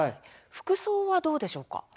服装は、どうでしょうか。